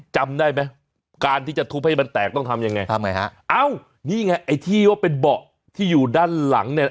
จำได้ไหมการที่จะทุบให้มันแตกต้องทำยังไงทำไงฮะเอ้านี่ไงไอ้ที่ว่าเป็นเบาะที่อยู่ด้านหลังเนี่ย